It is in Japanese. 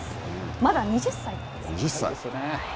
まだ２０歳なんですよ。